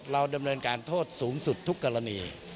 เราดำเนินการโทษสูงสุดทุกกรณี